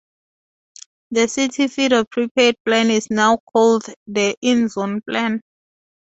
The CityFido Prepaid plan is now called the "in zone plan".